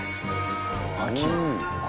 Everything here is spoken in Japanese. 秋。